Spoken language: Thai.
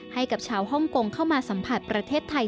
ให้กับชาวฮ่องกงเข้ามาสัมผัสประเทศไทย